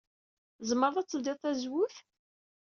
Tzemred ad tledyed tazewwut?